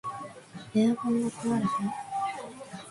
エアコンが壊れた